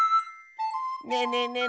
「ねえねえねえ